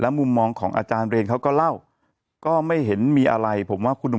มุมมองของอาจารย์เรนเขาก็เล่าก็ไม่เห็นมีอะไรผมว่าคุณหนุ่ม